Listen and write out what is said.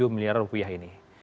dua puluh miliar rupiah ini